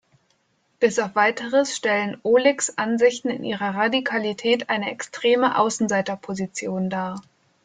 Bis auf weiteres stellen Ohligs Ansichten in ihrer Radikalität eine extreme Außenseiterposition dar.